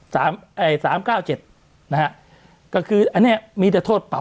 ไอ้สามเก้าเจ็ดนะฮะก็คืออันเนี้ยมีแต่โทษปรับ